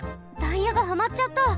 タイヤがハマっちゃった！